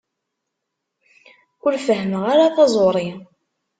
Ur fehmeɣ ara taẓuṛi.